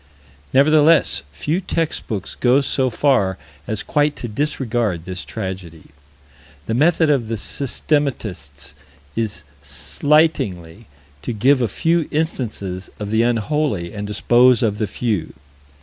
Nevertheless few text books go so far as quite to disregard this tragedy. The method of the systematists is slightingly to give a few instances of the unholy, and dispose of the few.